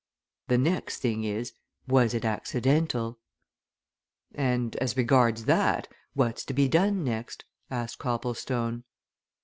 "The next thing is was it accidental?" "And as regards that what's to be done next?" asked Copplestone.